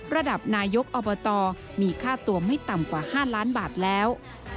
ระดับนายกอบตมีค่าตัวไม่ต่ำกว่า๕ล้านบาทแล้ว